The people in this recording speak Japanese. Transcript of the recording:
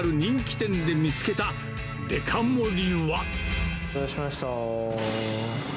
お待たせしました。